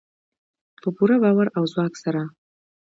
په پوره باور او ځواک سره.